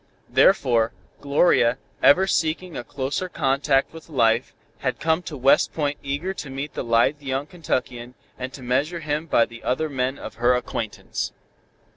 Therefore, Gloria, ever seeking a closer contact with life, had come to West Point eager to meet the lithe young Kentuckian, and to measure him by the other men of her acquaintance.